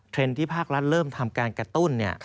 ที่ภาครัฐเริ่มทำการกระตุ้น